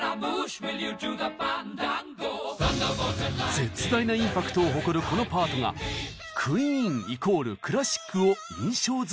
絶大なインパクトを誇るこのパートがクイーンイコールクラシックを印象づけてきました。